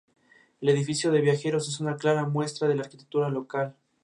El edificio de viajeros es una clara muestra de la arquitectura local.